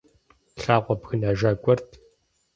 Лъагъуэ бгынэжа гуэрт.